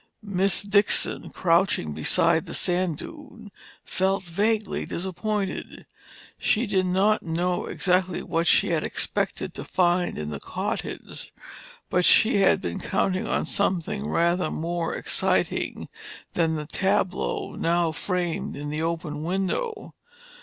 Miss Dixon, crouching beside the sand dune, felt vaguely disappointed. She did not know exactly what she had expected to find in the cottage, but she had been counting on something rather more exciting than the tableau now framed in the open window.